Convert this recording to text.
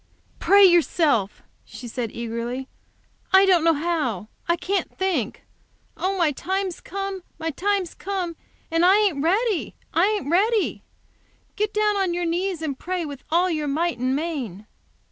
"Pray yourself!" she said, eagerly. "I don't know how. I can't think. Oh, my time's come my time's come! And I ain't ready! I ain't ready! Get down on your knees and pray with all your, might and main."